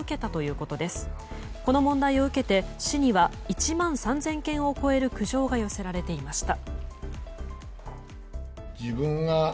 この問題を受けて、市には１万３０００件を超える苦情が寄せられていました。